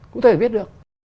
cũng có thể viết được